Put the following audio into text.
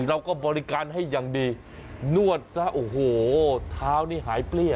เราก็บริการให้อย่างดีนวดซะโอ้โหเท้านี่หายเปรี้ย